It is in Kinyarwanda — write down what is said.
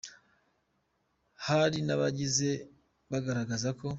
Hari nabagiye bagaragaza ko